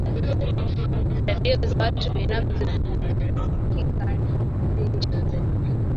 redio za wat binafsi zilizosikika nchi nzima